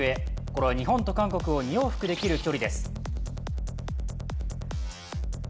これは日本と韓国を二往復できる距離です。